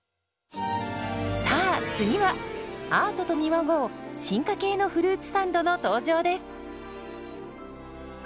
さあ次はアートと見まごう進化系のフルーツサンドの登場です。